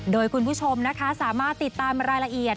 โดยคุณผู้ชมนะคะสามารถติดตามรายละเอียด